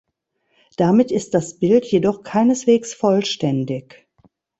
Damit ist das Bild jedoch keineswegs vollständig.